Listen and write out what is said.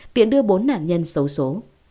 tiễn đưa bốn nạn nhân xấu xố